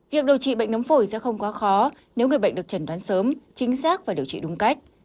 việc điều trị bệnh nấm phổi sẽ không quá khó nếu người bệnh được trần đoán sớm chính xác và điều trị đúng cách